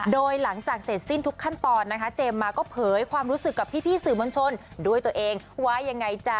โดยหลังจากเสร็จสิ้นทุกขั้นตอนนะคะเจมส์มาก็เผยความรู้สึกกับพี่สื่อมวลชนด้วยตัวเองว่ายังไงจ๊ะ